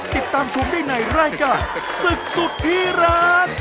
ติดตามชมได้ในรายการศึกสุดที่รัก